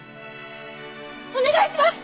お願いします！